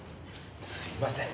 すいません。